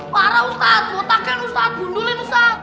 parah ustadz botakin ustadz bundulin ustadz